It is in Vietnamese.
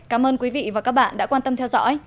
cảm ơn quý vị và các bạn đã quan tâm theo dõi